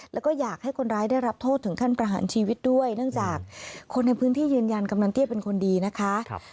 แล้วก็อยากให้คนร้ายได้รับโทษถึงขั้นประหารชีวิตด้วยเนื่องจากคนในพื้นที่ยืนยันกำนันเตี้ยเป็นคนดีนะคะ